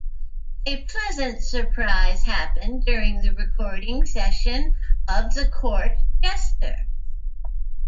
A pleasant surprise happened during the recording session of "The Court Jester".